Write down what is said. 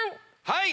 はい！